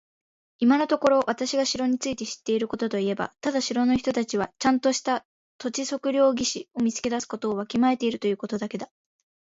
今のところ私が城について知っていることといえば、ただ城の人たちはちゃんとした土地測量技師を見つけ出すことをわきまえているということだけだ。